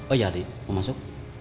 oh iya deh mau masuk